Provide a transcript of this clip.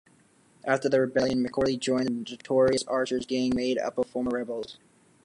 After the rebellion, McCorley joined the notorious Archer's Gang made up of former rebels.